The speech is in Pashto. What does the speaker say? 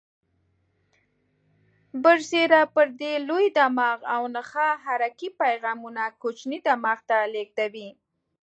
برسیره پر دې لوی دماغ او نخاع حرکي پیغامونه کوچني دماغ ته لېږدوي.